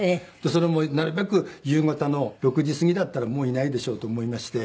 それもなるべく夕方の６時過ぎだったらもういないでしょうと思いまして。